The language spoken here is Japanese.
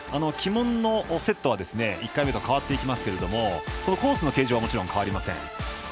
旗門のセットは１回目と変わっていきますがコースの形状はもちろん変わりません。